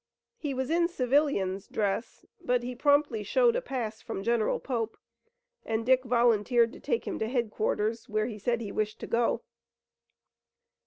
He was in civilian's dress, but he promptly showed a pass from General Pope, and Dick volunteered to take him to headquarters, where he said he wished to go.